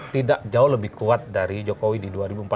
tidak jauh lebih kuat dari jokowi di dua ribu empat belas